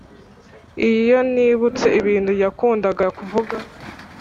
iyo nibutse ibintu yakundaga kuvuga